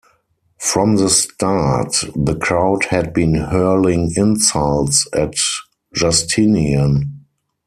From the start, the crowd had been hurling insults at Justinian.